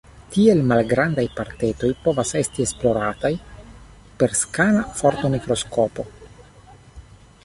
Tiel malgrandaj partetoj povas esti esplorataj per skana fortomikroskopo.